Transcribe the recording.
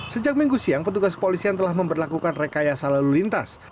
sejak minggu siang petugas kepolisian telah memperlakukan rekayasa lalu lintas